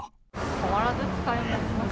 変わらず使います、たぶん。